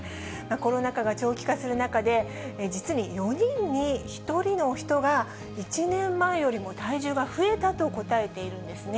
コロナ禍が長期化する中で、実に４人に１人の人が、１年前よりも体重が増えたと答えているんですね。